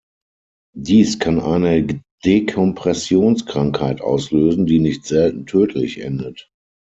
Dies kann eine Dekompressionskrankheit auslösen, die nicht selten tödlich endet.